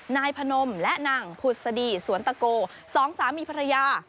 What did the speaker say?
นายพนมและนางผุดสดีสวนตะโกสองสามีภรรยา